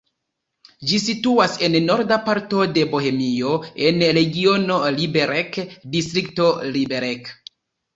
Ĝi situas en norda parto de Bohemio, en regiono Liberec, distrikto Liberec.